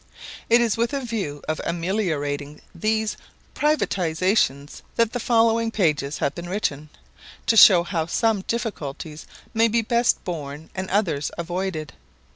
It is with a view of ameliorating these privations that the following pages have been written, to show how some difficulties may be best borne and others avoided.